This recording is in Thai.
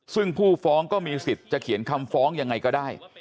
ซึ่งผู้ฟ้องก็มีสิทธิ์จะเขียนคำฟ้องยังไงก็ได้